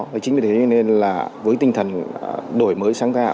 và chính vì thế nên là với tinh thần đổi mới